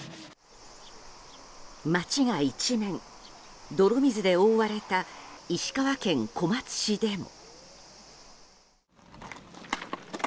街が一面、泥水で覆われた石川県小松市でも。